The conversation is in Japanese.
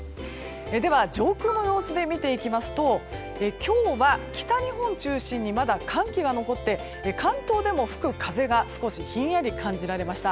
では、上空の様子で見ていきますと今日は北日本中心にまだ寒気が残って関東でも吹く風が少しひんやり感じられました。